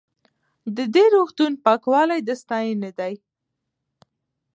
د دې روغتون پاکوالی د ستاینې دی.